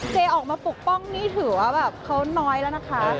ออกมาปกป้องนี่ถือว่าแบบเขาน้อยแล้วนะคะ